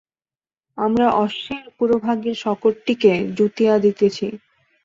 আমরা অশ্বের পুরোভাগে শকটটিকে যুতিয়া দিতেছি।